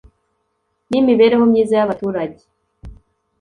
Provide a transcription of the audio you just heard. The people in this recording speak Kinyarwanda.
n imibereho myiza y abaturage